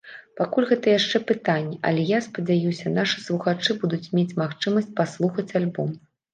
Пакуль гэта яшчэ пытанне, але, я спадзяюся, нашы слухачы будуць мець магчымасць паслухаць альбом.